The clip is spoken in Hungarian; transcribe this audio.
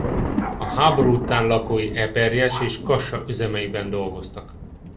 A háború után lakói Eperjes és Kassa üzemeiben dolgoztak.